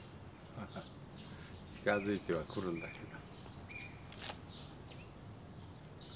ハハッ近づいてはくるんだけど。